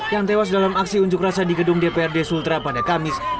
yang tewas dalam aksi unjuk rasa di gedung dprd sultra pada kamis